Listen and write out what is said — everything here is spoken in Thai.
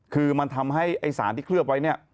คือมันทำให้ไอ้สารที่เคลือบไว้เนี่ย